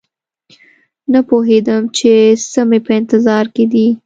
نه پوهېدم چې څه مې په انتظار کې دي